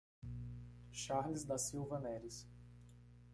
Charles da Silva Neris